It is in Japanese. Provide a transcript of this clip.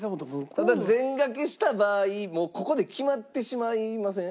ただ全賭けした場合もうここで決まってしまいません？